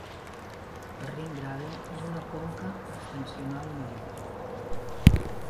El Rhine Graben és una conca extensional major.